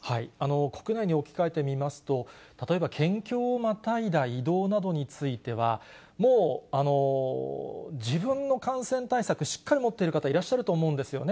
国内に置き換えてみますと、例えば県境をまたいだ移動などについては、もう自分の感染対策、しっかり持ってる方いらっしゃると思うんですよね。